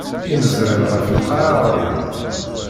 Imezran ɣef lqaɛa ɣlin.